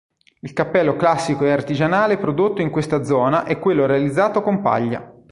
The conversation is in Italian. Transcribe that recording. Il cappello classico e artigianale prodotto in questa zona è quello realizzato con paglia.